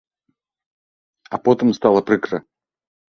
А потым стала прыкра.